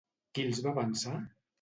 Qui els va avançar?